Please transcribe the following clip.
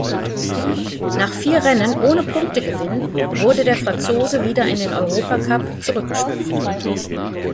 Nach vier Rennen ohne Punktegewinn wurde der Franzose wieder in den Europacup zurückgestuft.